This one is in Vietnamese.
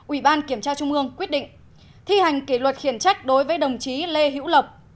ủy ban kiểm tra trung ương quyết định thi hành kỷ luật khiển trách đối với đồng chí lê hữu lộc